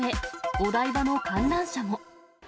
お台場の観覧車も。